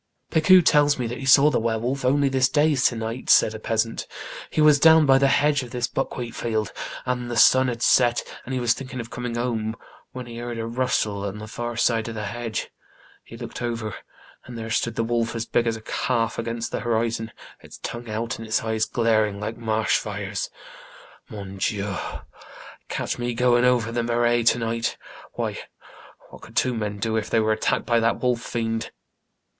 INTRODUCTORY. 3 " Picou tells me that he saw the were wolf ^only this day se'nnight/' said a peasant; he was down by the hedge of his buckwheat field, and the sun had set, and he was thinking of coming home, when he heard a rustle on the far side of the hedge. He looked over, and there stood the wolf as big as a calf against the horizon, its tongue out, and its eyes glaring like marsh fires. Mon Dieu ! catch me going over the marais to night. Why, what could two men do if they were attacked by that wolf fiend